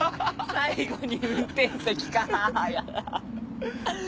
最後に運転席かやだ。